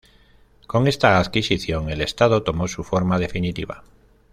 Con esta adquisición el estado tomó su forma definitiva.